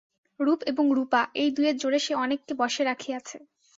রূপ এবং রুপা এই দুয়ের জোরে সে অনেককে বশে রাখিয়াছে।